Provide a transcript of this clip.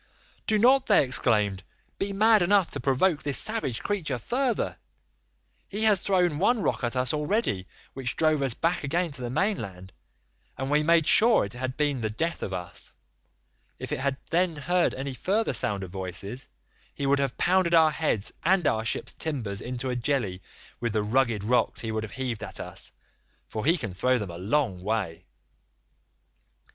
"'Do not,' they exclaimed, 'be mad enough to provoke this savage creature further; he has thrown one rock at us already which drove us back again to the mainland, and we made sure it had been the death of us; if he had then heard any further sound of voices he would have pounded our heads and our ship's timbers into a jelly with the rugged rocks he would have heaved at us, for he can throw them a long way.